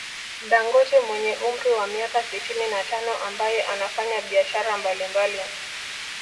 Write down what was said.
Dangote mwenye umri wa miaka sitini na tano ambaye anafanya biashara mbali mbali